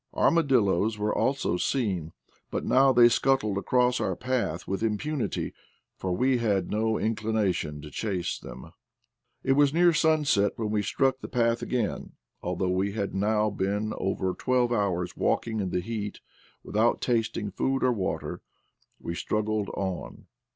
Armadilloes were also seen, but now they scuttled across our path with impunity, for we had no inclination to chase them. It was near sunset when we struck the path again; but although we had now been over twelve hours walking in the heat, without tasting 14 IDLE DAYS IN PATAGONIA food or water, we still straggled on.